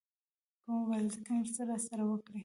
په مبارزه کې مرسته راسره وکړي.